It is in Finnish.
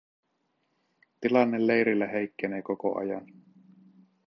Tilanne leirillä heikkenee koko ajan.